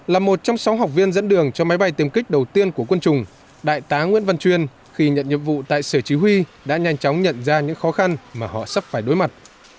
là một trong sáu học viên dẫn đường cho máy bay tiêm kích đầu tiên của quân chủng đại tá nguyễn văn chuyên khi nhận nhiệm vụ tại sở chí huy đã nhanh chóng nhận ra những khó khăn mà họ sắp phải đối mặt